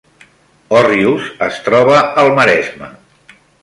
Òrrius es troba al Maresme